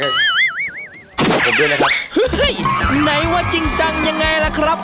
เห้ยไหนว่าจริงจังยังไงละครับ